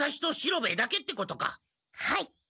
はい。